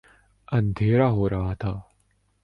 اندھیرا ہو رہا تھا۔